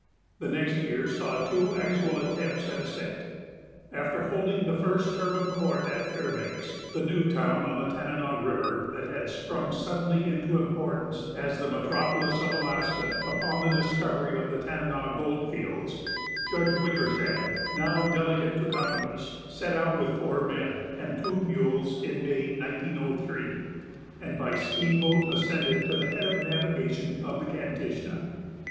The next year saw two actual attempts at ascent. After holding the first term of court at Fairbanks, the new town on the Tanana River that had sprung suddenly into importance as the metropolis of Alaska upon the discovery of the Tanana gold fields, Judge Wickersham (now delegate to Congress) set out with four men and two mules in May, 1903, and by steamboat ascended to the head of navigation of the Kantishna.